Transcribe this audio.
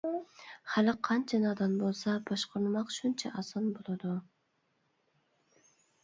خەلق قانچە نادان بولسا باشقۇرماق شۇنچە ئاسان بولىدۇ.